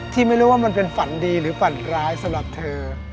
ไม่รู้ว่ามันเป็นฝันดีหรือฝันร้ายสำหรับเธอ